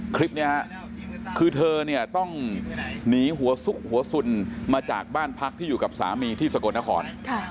คลิปนี้คือเธอเนี่ยต้องหนีหัวซุกหัวสุนมาจากบ้านพักที่อยู่กับสามีที่สกลนคร